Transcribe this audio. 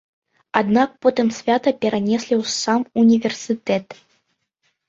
Аднак потым свята перанеслі ў сам універсітэт.